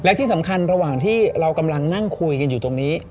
และที่สำคัญระหว่างที่เรากำลังนั่งคุยกันอยู่ตรงนี้